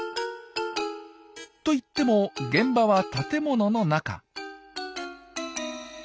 といっても現場は建物の中。